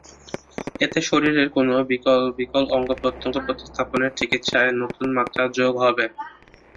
এতে শরীরের কোনো বিকল অঙ্গপ্রত্যঙ্গ প্রতিস্থাপনের চিকিৎসায় নতুন মাত্রা যোগ হবে।